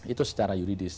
itu secara yuridis